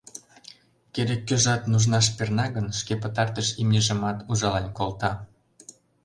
Керек-кӧжат нужнаш перна гын, шке пытартыш имньыжымат ужален колта.